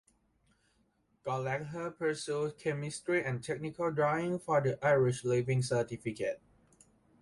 Gallagher pursued chemistry and technical drawing for the Irish Leaving Certificate.